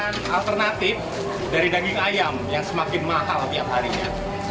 ada alternatif dari daging ayam yang semakin mahal tiap harinya